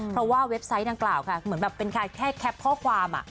เพราะว่าเว็บไซต์ดังกล่าวค่ะเหมือนแบบเป็นการแค่แคปข้อความ